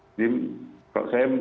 jadi kalau saya